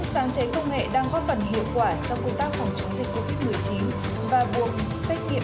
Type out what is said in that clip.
vấn đề công nghệ đang góp phần hiệu quả cho quy tắc phòng chống dịch covid một mươi chín và buộc xét nghiệm